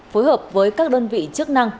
phối hợp với các đơn vị chức năng